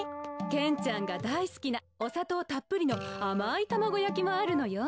けんちゃんがだいすきなおさとうたっぷりのあまいたまごやきもあるのよ！